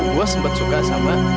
lo sempet suka sama